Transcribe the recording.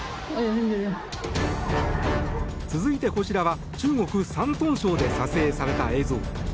続いて、こちらは中国・山東省で撮影された映像。